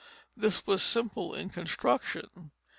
This was simple in construction.